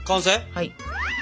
はい。